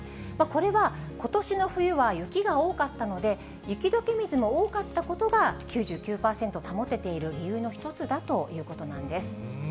これはことしの冬は雪が多かったので、雪どけ水も多かったことが、９９％保てている理由の一つだということなんです。